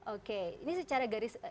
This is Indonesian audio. oke ini secara garis